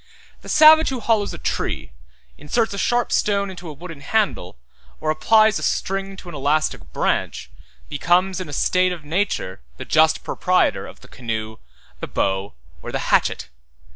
137 The savage who hollows a tree, inserts a sharp stone into a wooden handle, or applies a string to an elastic branch, becomes in a state of nature the just proprietor of the canoe, the bow, or the hatchet.